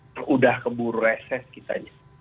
sudah keburu reses kita